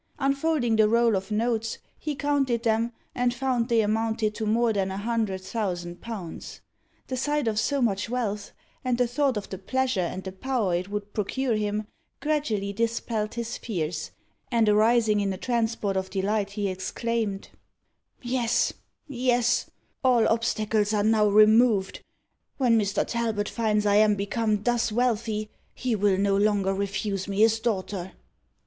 Unfolding the roll of notes, he counted them, and found they amounted to more than a hundred thousand pounds. The sight of so much wealth, and the thought of the pleasure and the power it would procure him, gradually dispelled his fears, and arising in a transport of delight, he exclaimed "Yes, yes all obstacles are now removed! When Mr. Talbot finds I am become thus wealthy, he will no longer refuse me his daughter.